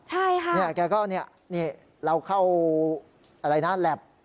ใช่ค่ะเขาก็นี่เราเข้าอะไรนะแหลป